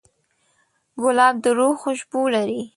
ګلاب د روح خوشبو لري.